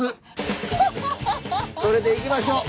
それでいきましょう！